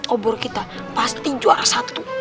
obor kita pasti juara satu